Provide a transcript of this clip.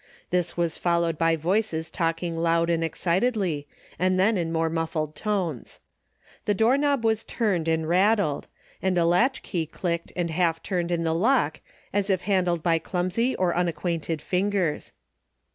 This Avas followed by voices talking loud and excitedly, and then in more muffled tones. The door knob Avas turned and rattled, and a latchkey clicked and half turned in the lock as if handled by clumsy or unacquainted fingers.